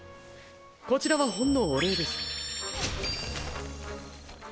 こちらはほんのお礼です！